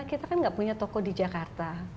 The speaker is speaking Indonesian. kita kan nggak punya toko di jakarta